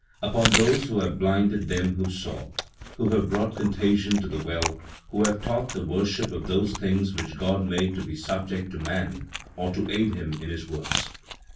"Upon those who have blinded them who saw; who have brought contagion to the well; who have taught the worship of those things which God made to be subject to man, or to aid him in his works.